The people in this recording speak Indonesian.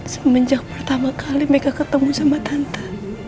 semenjak pertama kali mereka ketemu sama tante